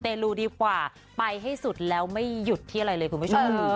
ลูดีกว่าไปให้สุดแล้วไม่หยุดที่อะไรเลยคุณผู้ชม